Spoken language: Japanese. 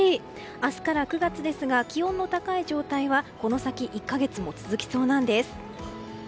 明日から９月ですが気温の高い状態はこの先１か月も続きそうなんです。